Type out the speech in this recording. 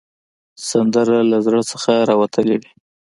سندره له زړه نه راوتلې وي